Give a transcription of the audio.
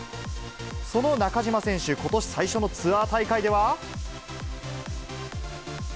その中島選手、ことし最初のツアー大会では。